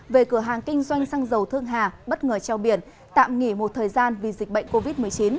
về cửa hàng kinh doanh xăng dầu thương hà bất ngờ treo biển tạm nghỉ một thời gian vì dịch bệnh covid một mươi chín